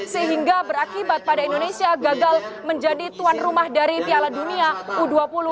sehingga berakibat pada indonesia gagal menjadi tuan rumah dari piala dunia u dua puluh dua ribu dua puluh tiga